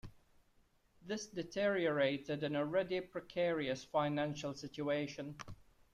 This deteriorated an already precarious financial situation.